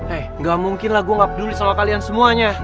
eh gak mungkin lagu gak peduli sama kalian semuanya